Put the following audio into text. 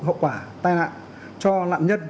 hậu quả tai nạn cho lạm nhân